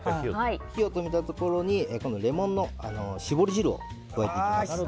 火を止めたところにレモンの搾り汁を加えていきます。